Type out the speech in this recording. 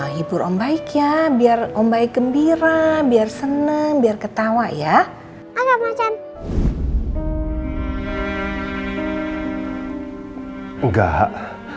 hibur ombaik ya biar om baik gembira biar seneng biar ketawa ya agak macan enggak